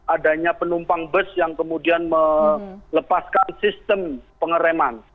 adanya penumpang bus yang kemudian melepaskan sistem pengereman